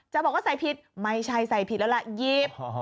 บอกว่าใส่ผิดไม่ใช่ใส่ผิดแล้วล่ะหยิบ